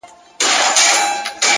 خپل ژوند د ګټورو اغېزو نښه وګرځوئ،